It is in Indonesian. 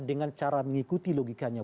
dengan cara mengikuti logikanya